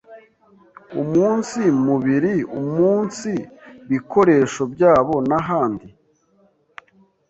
umunsi mubiri umunsi bikoresho byabo n’ahandi.